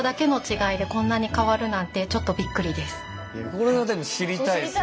これはでも知りたいですね。